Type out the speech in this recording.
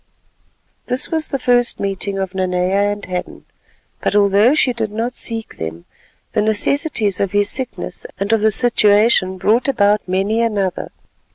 This was the first meeting of Nanea and Hadden; but, although she did not seek them, the necessities of his sickness and of the situation brought about many another.